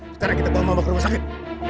sekarang kita bawa bawa ke rumah sakit